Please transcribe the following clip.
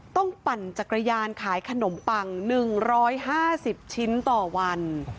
ปั่นจักรยานขายขนมปัง๑๕๐ชิ้นต่อวัน